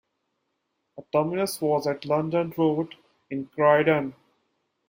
The terminus was at London Road in Croydon.